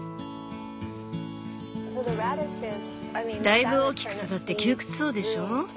だいぶ大きく育って窮屈そうでしょう？